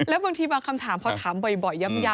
แล้วบางทีบางคำถามพอถามบ่อยย้ำ